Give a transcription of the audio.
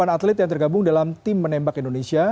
delapan atlet yang tergabung dalam tim menembak indonesia